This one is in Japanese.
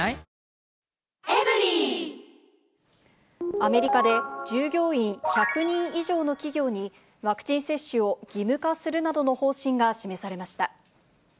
アメリカで、従業員１００人以上の企業に、ワクチン接種を義務化するなどの方針が示されました。